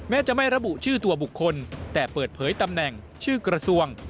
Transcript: จะไม่ระบุชื่อตัวบุคคลแต่เปิดเผยตำแหน่งชื่อกระทรวง